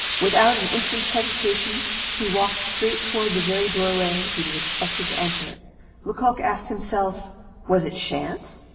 Without an instant's hesitation he walked straight toward the very doorway he was expected to enter Lecoq asked himself was it chance?